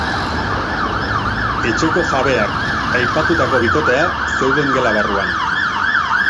Etxeko jabeak, aipatutako bikotea, zeuden gela barruan.